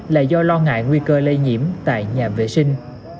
là do lo ngại nguy cơ lây nhiễm tại nhà vệ sinh